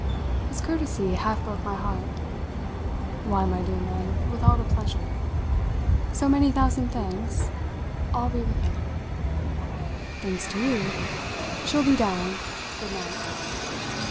His courtesy half broke my heart. "Why, my dear man, with all the pleasure ! So many thousand thanks. I'll be with her." "Thanks to you. She'll be down. Good night."